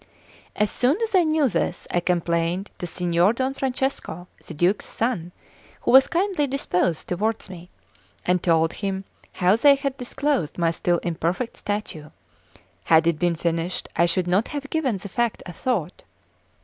As soon as I knew this, I complained to Signor Don Francesco, the Duke's son, who was kindly disposed toward me, and told him how they had disclosed my still imperfect statue; had it been finished, I should not have given the fact a thought.